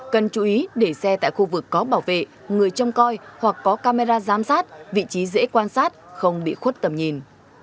cần chú ý để xe tại khu vực có bảo vệ người trông coi hoặc có camera giám sát vị trí dễ quan sát không bị khuất tầm nhìn